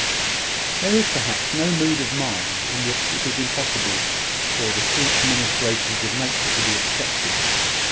There is, perhaps, no mood of mind in which it is impossible for the sweet ministrations of nature to be accepted.